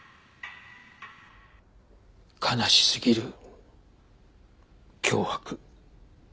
悲しすぎる脅迫。